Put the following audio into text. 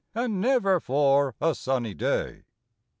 And never for a sunny day!